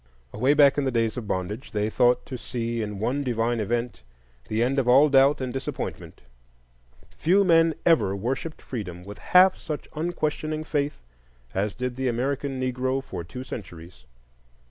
Away back in the days of bondage they thought to see in one divine event the end of all doubt and disappointment; few men ever worshipped Freedom with half such unquestioning faith as did the American Negro for two centuries.